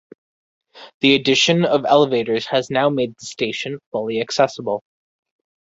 The addition of elevators has now made the station fully accessible.